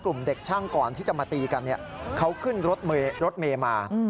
กลุ่มเด็กช่างก่อนที่จะมาตีกันเขาขึ้นรถเมย์มา